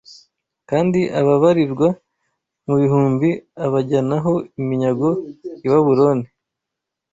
kandi ababarirwa mu bihumbi abajyanaho iminyago i Babuloni